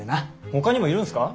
ほかにもいるんすか？